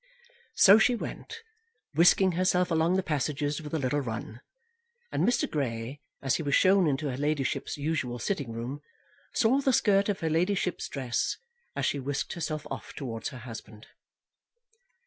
So she went, whisking herself along the passages with a little run; and Mr. Grey, as he was shown into her ladyship's usual sitting room, saw the skirt of her ladyship's dress as she whisked herself off towards her husband.